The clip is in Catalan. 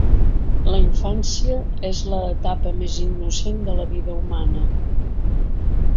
La infància és l'etapa més innocent de la vida humana.